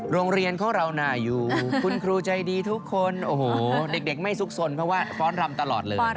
โรงเรียนของเราน่าอยู่คุณครูใจดีทุกคนโอ้โหเด็กไม่ซุกสนเพราะว่าฟ้อนรำตลอดเลย